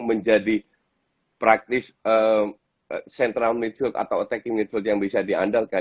menjadi praktis central midfield atau attacking midfield yang bisa diandalkan